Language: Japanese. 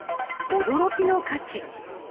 驚きの価値。